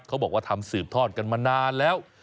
เขาบอกว่าทำสืบทอดกันมานานแล้ว